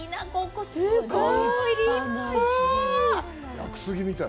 屋久杉みたい。